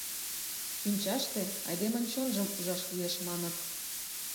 Шинчаште айдемын чонжым ужаш лиеш, маныт.